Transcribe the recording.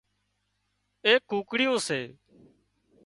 ايڪ ڪُڙيون سي